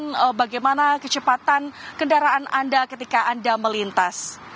bagaimana kecepatan kendaraan anda ketika anda melintas